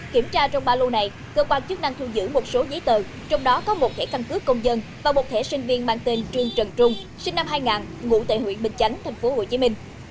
kiểm tra trong ba lô này cơ quan chức năng thu giữ một số giấy tờ trong đó có một thẻ căn cước công dân và một thẻ sinh viên mang tên trương trần trung sinh năm hai nghìn ngủ tại huyện bình chánh tp hcm